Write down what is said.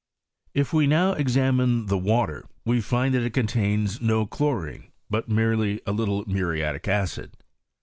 If we now examine the water, we find that it contains no chlorine, but merely a little muriatic acid.